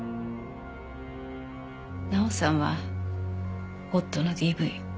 奈緒さんは夫のＤＶ。